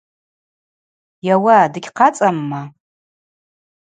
Йауа дыгьхъацӏамма?